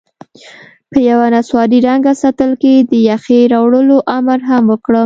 په یوه نسواري رنګه سطل کې د یخې راوړلو امر هم وکړم.